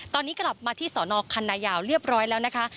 ตอนนี้กลับมาที่สอนอคันนายาวเรียบร้อยแล้วนะคะ